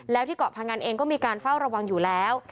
แล้วที่เกาะพังอันเองก็มีการเฝ้าระวังอยู่แล้ว